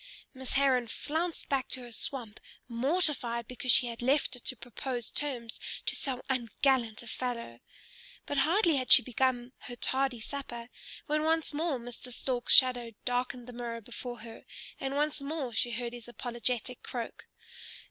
Miss Heron flounced back to her swamp, mortified because she had left it to propose terms to so ungallant a fellow. But hardly had she begun her tardy supper when once more Mr. Stork's shadow darkened the mirror before her, and once more she heard his apologetic croak.